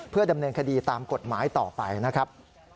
เพื่อดำเนินคดีตามกฎหมายต่อไปนะครับ